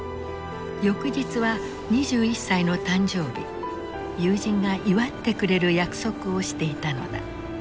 翌日は２１歳の誕生日友人が祝ってくれる約束をしていたのだ。